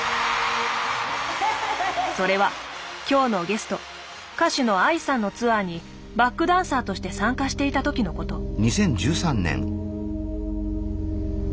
それは今日のゲスト歌手のＡＩさんのツアーにバックダンサーとして参加していた時のこと。